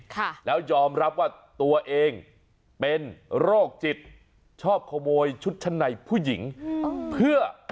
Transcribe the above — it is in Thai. ค่ะแล้วยอมรับว่าตัวเองเป็นโรคจิตชอบขโมยชุดชั้นในผู้หญิงเพื่อ